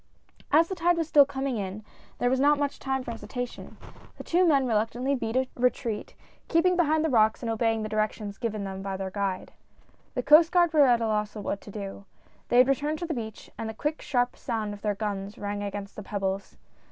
As the tide was still coming in there was not much time for hesitation. The two men reluctantly beat a retreat; keeping behind the rocks, and obeying the directions given them by their guide. The Coast Guard were at a loss what to do. They had returned to the beach, and the quick, sharp sound of their guns rang against the pebbles.